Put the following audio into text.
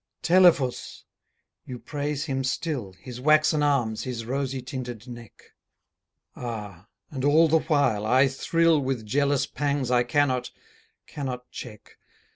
Telephus you praise him still, His waxen arms, his rosy tinted neck; Ah! and all the while I thrill With jealous pangs I cannot, cannot check.